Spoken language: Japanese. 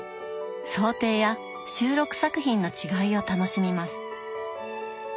装丁や収録作品の違いを楽しみます。